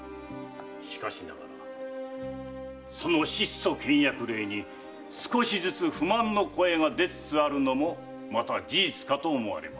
しかしながらその質素倹約令に少しずつ不満の声が出つつあるのもまた事実かと思われます。